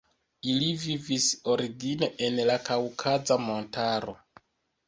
Ili vivis origine en la Kaŭkaza montaro.